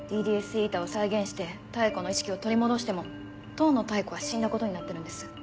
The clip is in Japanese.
ＤＤＳηを再現して妙子の意識を取り戻しても当の妙子は死んだことになってるんです。